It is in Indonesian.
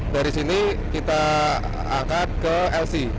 dari sini kita angkat ke lc